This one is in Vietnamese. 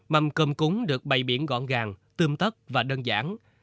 mâm cơm cúng được bày biển gọn gàng tươm tất và đơn giản